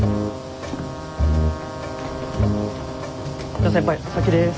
じゃ先輩お先です。